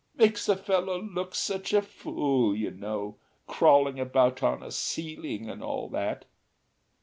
Makes a fellow look such a fool, you know. Crawling about on a ceiling and all that...."